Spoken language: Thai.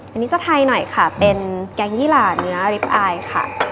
อันนี้จะไทยหน่อยค่ะเป็นแกงยี่หล่าเนื้อริปอายค่ะ